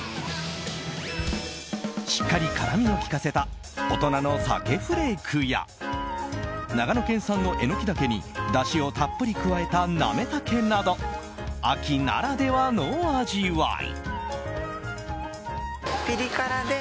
しっかり辛みをきかせた大人の鮭フレークや長野県産のエノキダケにだしをたっぷり加えたナメタケなど秋ならではの味わい。